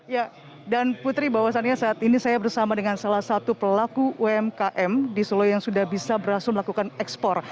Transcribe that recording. ya dan putri bahwasannya saat ini saya bersama dengan salah satu pelaku umkm di solo yang sudah bisa berhasil melakukan ekspor